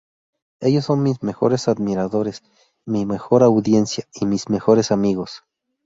Ellos son mis mejores admiradores, mi mejor audiencia y mis mejores amigos.